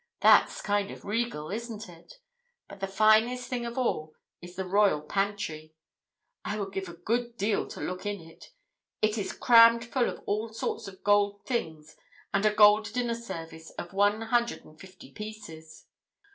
That's kind of regal, isn't it? But the finest thing of all is the Royal Pantry. I would give a good deal to look in it. It is crammed full of all sorts of gold things and a gold dinner service of one hundred and fifty pieces."